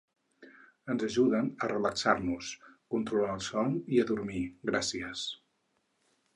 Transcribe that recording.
Ens ajuden a relaxar-nos, controlar el son i a dormir gràcies.